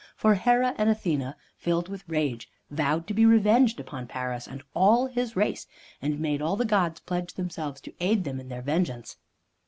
For Hera and Athene, filled with rage, vowed to be revenged upon Paris and all his race, and made all the gods pledge themselves to aid them in their vengeance.